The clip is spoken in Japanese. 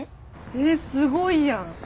えすごいやん。